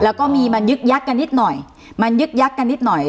แล้วก็มีมันยึกยักกันนิดหน่อยมันยึกยักกันนิดหน่อย